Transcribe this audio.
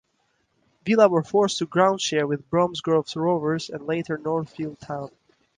Villa were forced to groundshare with Bromsgrove Rovers and later Northfield Town.